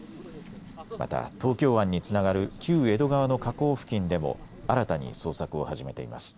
また東京湾につながる旧江戸川の河口付近でも新たに捜索を始めています。